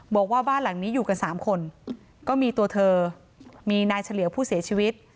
บอกว่าบ้านหลังนี้อยู่กันสามคนก็มีตัวเธอมีนายเฉลี่ยวผู้เสียชีวิต